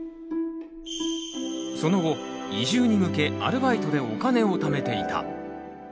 その後移住に向けアルバイトでお金をためていた。